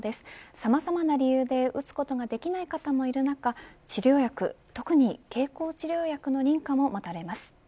さまざまな理由で打つことができない方もいる中治療薬特に経口治療薬の認可も待たれます。